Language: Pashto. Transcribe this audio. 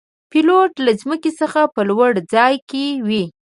پیلوټ له ځمکې څخه په لوړ ځای کې وي.